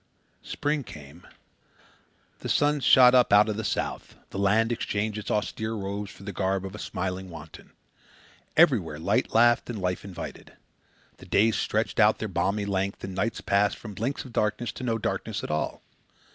Spring came. The sun shot up out of the south. The land exchanged its austere robes for the garb of a smiling wanton. Everywhere light laughed and life invited. The days stretched out their balmy length and the nights passed from blinks of darkness to no darkness at all.